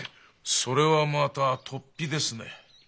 それはまたとっぴですね。